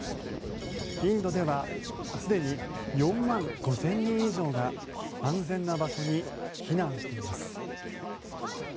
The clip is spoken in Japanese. インドでは、すでに４万５０００人以上が安全な場所に避難しています。